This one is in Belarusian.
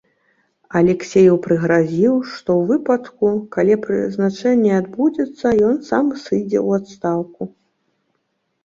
Аляксееў прыгразіў, што ў выпадку, калі прызначэнне адбудзецца, ён сам сыдзе ў адстаўку.